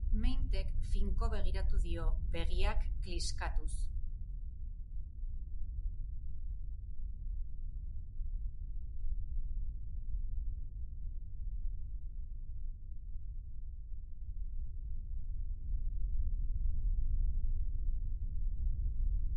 Meinthek finko begiratu dio, begiak kliskatuz.